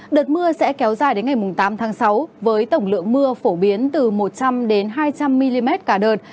đợt mưa sẽ kéo dài đến ngày tám tháng sáu với tổng lượng mưa phổ biến từ một trăm linh hai trăm linh mm cả đợt